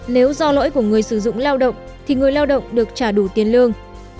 bốn nếu do lỗi của người sử dụng lao động thì người lao động được trả đủ tiền lương